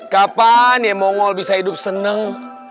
kapan ya mongol bisa hidup seneng